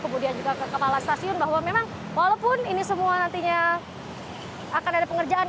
kemudian juga ke kepala stasiun bahwa memang walaupun ini semua nantinya akan ada pengerjaan